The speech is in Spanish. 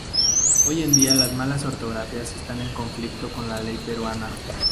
Hoy en día las malas ortografías están en conflicto con la ley peruana.